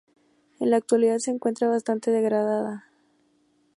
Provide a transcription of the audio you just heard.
En la actualidad se encuentra bastante degradada.